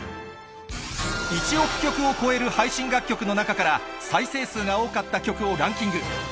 １億曲を超える配信楽曲の中から、再生数が多かった曲をランキング。